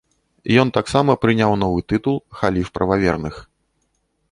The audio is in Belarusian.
Ён таксама прыняў новы тытул халіф прававерных.